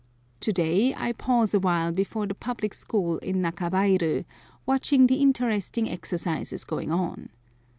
To day I pause a while before the public school in Nakabairu, watching the interesting exercises going on.